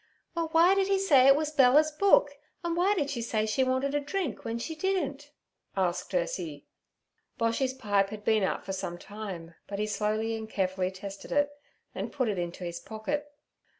'Well, why did he say it was Bella's book, and why did she say she wanted a drink when she didn't?' asked Ursie. Boshy's pipe had been out for some time, but he slowly and carefully tested it, then put it into his pocket.